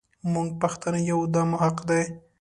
مونږ پښتانه يو دا مو حق دی.